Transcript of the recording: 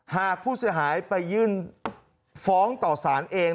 หากผู้เสียหายไปยื่นฟ้องต่อสารเอง